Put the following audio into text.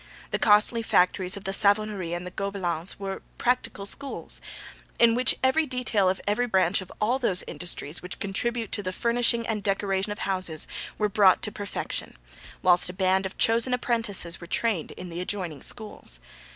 The costly factories of the Savonnerie and the Gobelins were practical schools, in which every detail of every branch of all those industries which contribute to the furnishing and decoration of houses were brought to perfection; whilst a band of chosen apprentices were trained in the adjoining schools.